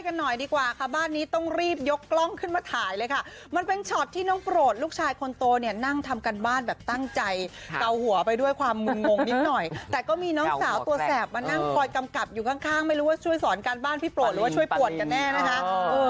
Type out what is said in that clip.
กันหน่อยดีกว่าค่ะบ้านนี้ต้องรีบยกกล้องขึ้นมาถ่ายเลยค่ะมันเป็นช็อตที่น้องโปรดลูกชายคนโตเนี่ยนั่งทำการบ้านแบบตั้งใจเกาหัวไปด้วยความมึนงงนิดหน่อยแต่ก็มีน้องสาวตัวแสบมานั่งคอยกำกับอยู่ข้างข้างไม่รู้ว่าช่วยสอนการบ้านพี่โปรดหรือว่าช่วยปวดกันแน่นะคะ